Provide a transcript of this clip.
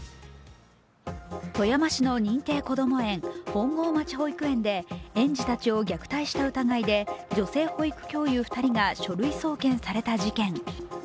富山市の認定こども園本郷町保育園で園児たちを虐待した疑いで女性保育教諭２人が書類送検された事件。